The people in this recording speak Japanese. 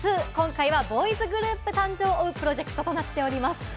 今回はボーイズグループ誕生を追うプロジェクトとなっております。